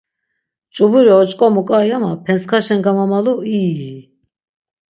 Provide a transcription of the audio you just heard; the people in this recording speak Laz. Ç̌uburi oç̌ǩomu ǩai ama pentskaşen gamamalu... iiiiy...